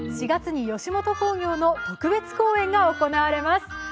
４月に吉本興業の特別公演が行われます。